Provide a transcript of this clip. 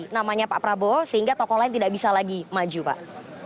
namanya pak prabowo sehingga tokoh lain tidak bisa lagi maju pak